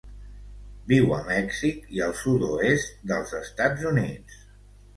Viu a Mèxic i el sud-oest dels Estats Units.